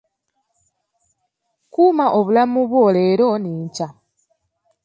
Kuma obulamu bwo leero n'enkya.